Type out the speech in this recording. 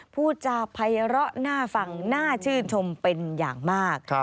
พูดจาภัยร้อน่าฟังน่าชื่นชมเป็นอย่างมาก